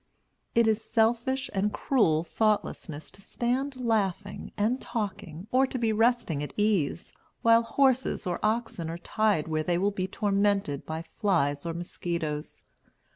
It is selfish and cruel thoughtlessness to stand laughing and talking, or to be resting at ease, while horses or oxen are tied where they will be tormented by flies or mosquitos.